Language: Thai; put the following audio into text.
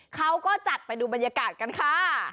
เขาก็จัดไปดูบรรยากาศกันค่ะ